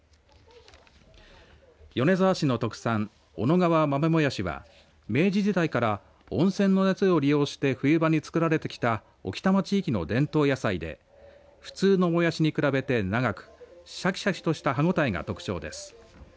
米沢市の特産小野川豆もやしは、明治時代から温泉の熱を利用して冬場に作られてきた置賜地域の伝統野菜で普通のもやしに比べて長くシャキシャキとした歯応えが特徴です。